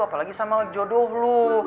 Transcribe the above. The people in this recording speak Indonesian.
apalagi sama jodoh lu